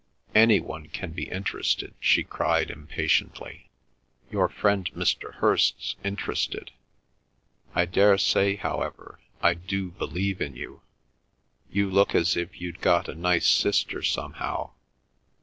"Any one can be interested!" she cried impatiently. "Your friend Mr. Hirst's interested, I daresay however, I do believe in you. You look as if you'd got a nice sister, somehow."